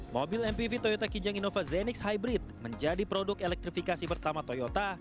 mobil mpv toyota kijang innova zenix hybrid menjadi produk elektrifikasi pertama toyota